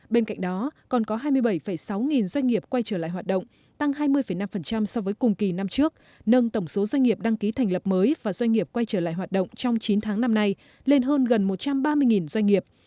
bên cạnh đó còn có hai mươi bảy sáu nghìn doanh nghiệp quay trở lại hoạt động tăng hai mươi năm so với cùng kỳ năm trước nâng tổng số doanh nghiệp đăng ký thành lập mới và doanh nghiệp quay trở lại hoạt động trong chín tháng năm nay lên hơn gần một trăm ba mươi doanh nghiệp